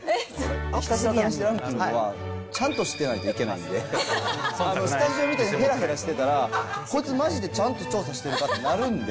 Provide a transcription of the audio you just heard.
ひたすら試してランキングは、ちゃんとしてないといけないんで、スタジオみたいにへらへらしてたら、こいつ、まじでちゃんと調査してるか？ってなるんで。